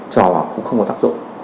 cho vào cũng không có tác dụng